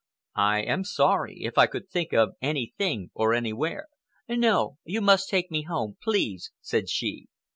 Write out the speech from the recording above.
"I am sorry. If I could think of anything or anywhere—" "No, you must take me home, please," said she.